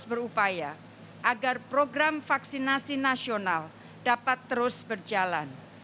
berupaya agar program vaksinasi nasional dapat terus berjalan